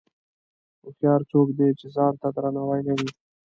هوښیار څوک دی چې ځان ته درناوی لري.